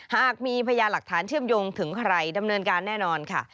หากมีพยาหลักฐานเชื่อมโยงถึงใครดำเนินการแน่นอนค่ะ